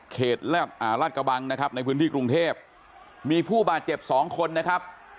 ราชกระบังนะครับในพื้นที่กรุงเทพมีผู้บาดเจ็บสองคนนะครับ